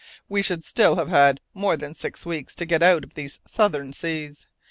We should still have had more than six weeks to get out of these southern seas.